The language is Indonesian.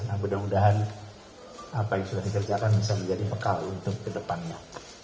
nah mudah mudahan apa yang sudah dikerjakan bisa menjadi bekal untuk kedepannya